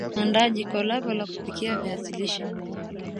andaa jiko lako la kupikia viazi lishe